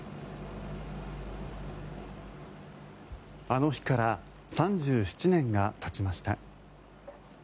あの日から３７年がたちました。